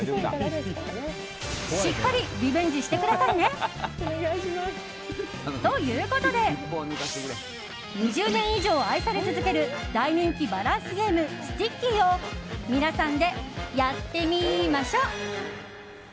しっかりリベンジしてくださいね。ということで２０年以上愛され続ける大人気バランスゲームスティッキーを皆さんでやってみましょっ！